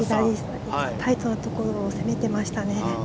タイトなところを攻めていましたね。